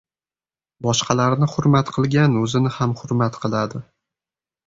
• Boshqalarni hurmat qilgan o‘zini ham hurmat qiladi.